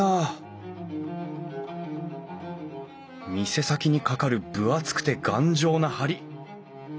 店先にかかる分厚くて頑丈な梁。